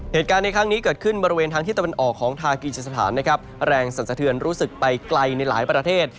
เหตุการณ์ในครั้งนี้เกิดขึ้นบริเวณทางที่ตะวันออกของทากีจิสถานนะครับแรงสันสะเทือนรู้สึกไปไกลในหลายประเทศ